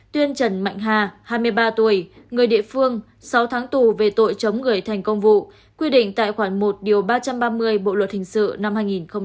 tuyên trần mạnh hà hai mươi ba tuổi người địa phương sáu tháng tù về tội chống người thành công vụ quy định tại khoản một ba trăm ba mươi bộ luật hình sự năm hai nghìn một mươi năm